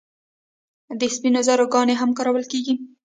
د سپینو زرو ګاڼې هم کارول کیږي.